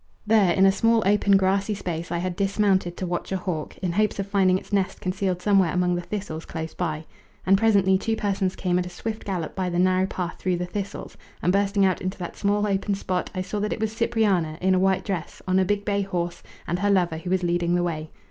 There, in a small open grassy space I had dismounted to watch a hawk, in hopes of finding its nest concealed somewhere among the thistles close by. And presently two persons came at a swift gallop by the narrow path through the thistles, and bursting out into that small open spot I saw that it was Cipriana, in a white dress, on a big bay horse, and her lover, who was leading the way.